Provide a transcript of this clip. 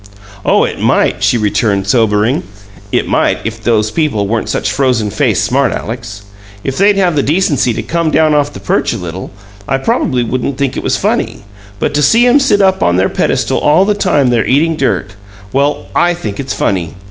"Oh, it might," she returned, sobering. "It might, if those people weren't such frozen faced smart Alecks. If they'd had the decency to come down off the perch a little I probably wouldn't think it was funny, but to see 'em sit up on their pedestal all the time they're eating dirt well, I think it's funny!